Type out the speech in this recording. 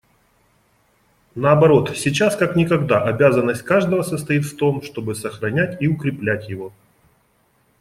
Наоборот, сейчас как никогда обязанность каждого состоит в том, чтобы сохранять и укреплять его.